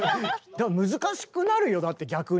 難しくなるよだって逆に。